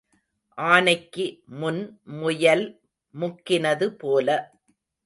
ஆனைக்கு முன் முயல் முக்கினது போல.